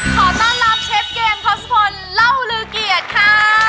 ขอต้อนรับเชฟเกมทศพลเล่าลือเกียรติค่ะ